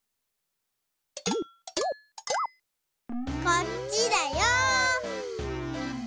こっちだよ！